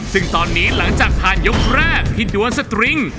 ซึ่งตอนนี้หลังจากผ่านยกแรกที่ดวนสตริง